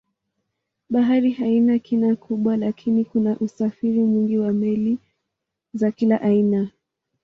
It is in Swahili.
Bahari haina kina kubwa lakini kuna usafiri mwingi wa meli za kila aina.